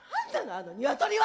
あのニワトリは！